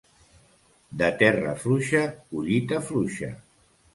De terra fluixa, collita fluixa.